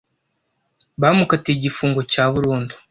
bamukatiye igifungo cya burundu